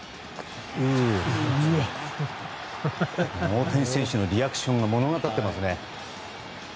大谷選手のリアクションが物語っていますね。